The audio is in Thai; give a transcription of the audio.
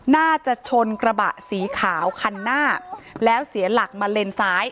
น่าจะชนกระบะสีขาวคันหน้าแล้วเสียหลักมาเลนซ้าย